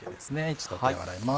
一度手を洗います。